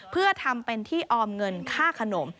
เพื่อทำเป็นที่ออมเงินค่าขนม